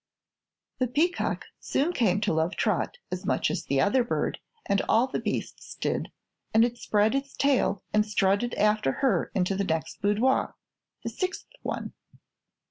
The peacock soon came to love Trot as much as the other bird and all the beasts did, and it spread its tail and strutted after her into the next boudoir the sixth one.